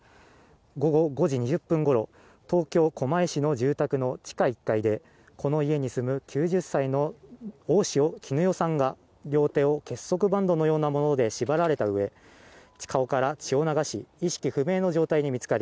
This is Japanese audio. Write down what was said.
午後５時２０分ごろ東京・狛江市の住宅の地下１階でこの家に住む９０歳の大塩衣興さんが両手を結束バンドのようなもので縛られたうえ顔から血を流し意識不明の状態で見つかり